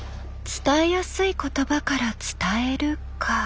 伝えやすい言葉から伝えるか。